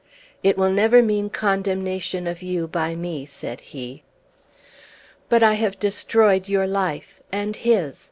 "It will never mean condemnation of you by me," said he. "But I have destroyed your life, and his.